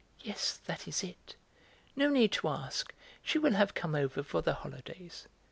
Yes, that is it. No need to ask, she will have come over for the holidays.